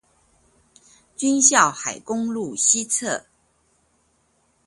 軍校海功路口西側